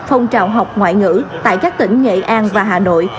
phong trào học ngoại ngữ tại các tỉnh nghệ an và hà nội